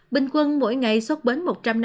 bình quân mỗi ngày xuất bến một trăm linh